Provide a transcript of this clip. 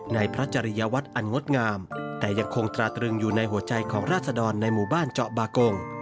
ในพระจริยวัตรอันงดงามแต่ยังคงตราตรึงอยู่ในหัวใจของราศดรในหมู่บ้านเจาะบากง